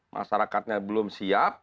masyarakatnya belum siap